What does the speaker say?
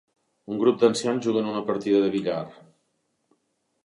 Un grup d'ancians juguen una partida de billar.